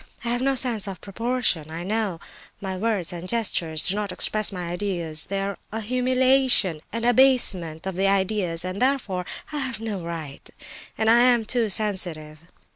I have no sense of proportion, I know; my words and gestures do not express my ideas—they are a humiliation and abasement of the ideas, and therefore, I have no right—and I am too sensitive.